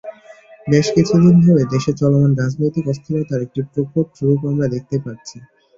বেশ কিছুদিন ধরে দেশে চলমান রাজনৈতিক অস্থিরতার একটি প্রকট রূপ আমরা দেখতে পারছি।